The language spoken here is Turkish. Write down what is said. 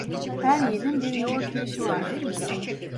Her yiğidin bir yoğurt yiyişi vardır.